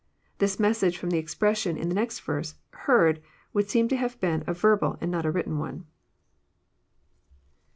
This message, from the expression In next verse, heard," would seem to have been a verbal and not a written one.